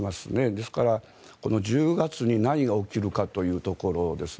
ですから、１０月に何が起きるかというところです。